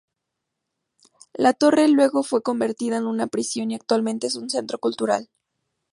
La torre luego fue convertida en una prisión y actualmente es un centro cultural.